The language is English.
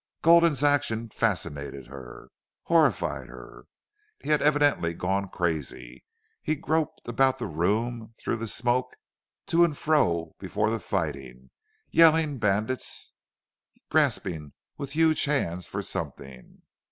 Gulden's actions fascinated her, horrified her. He had evidently gone crazy. He groped about the room, through the smoke, to and fro before the fighting, yelling bandits, grasping with huge hands for something.